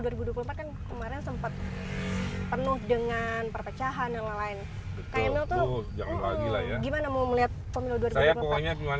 berdua kemarin sempet penuh dengan perpecahan yang lain lain gimana mau melihat saya punya